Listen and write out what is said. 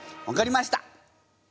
分かりました。